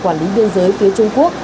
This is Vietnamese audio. quản lý biên giới phía trung quốc